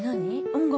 音楽。